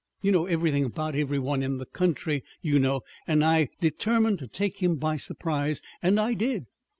You know everything about every one in the country, you know. And I determined to take him by surprise, and I did.